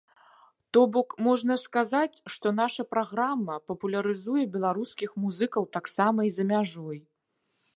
То бок, можна сказаць, што наша праграма папулярызуе беларускіх музыкаў таксама і за мяжой.